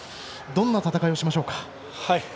どんな戦いをしましょうか。